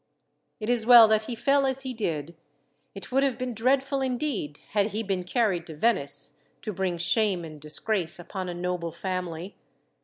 "It is well that he fell as he did. It would have been dreadful, indeed, had he been carried to Venice, to bring shame and disgrace upon a noble family.